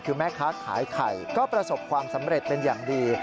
คือแม่ค้าขายไข่ก็ประสบความสำเร็จเป็นอย่างดี